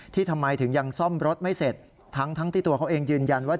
ทำไมถึงยังซ่อมรถไม่เสร็จทั้งที่ตัวเขาเองยืนยันว่า